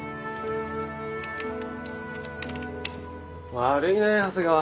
悪いね長谷川。